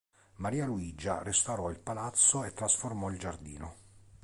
Maria Luigia restaurò il Palazzo e trasformò il giardino.